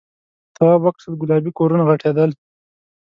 تواب وکتل گلابي کورونه غټېدل.